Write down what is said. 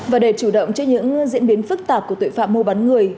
và để chủ động trước những diễn biến phức tạp của tội phạm mua bán người